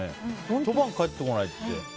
ひと晩帰ってこないって。